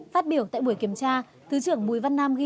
phát biểu tại buổi kiểm tra thứ trưởng bùi văn nam ghi